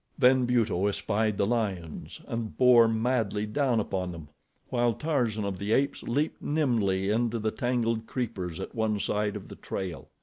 Then Buto espied the lions and bore madly down upon them while Tarzan of the Apes leaped nimbly into the tangled creepers at one side of the trail.